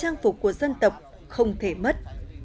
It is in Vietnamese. và trang phục của dân tộc không thể mất